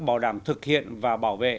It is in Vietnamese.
bảo đảm thực hiện và bảo vệ